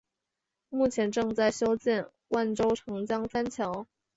目前正在修建万州长江三桥。